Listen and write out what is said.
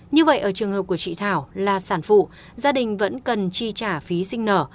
như vậy ở trường hợp của chị thảo là sản phụ gia đình vẫn cần chi trả phí sinh nở